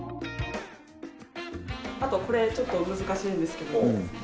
あとこれちょっと難しいんですけど。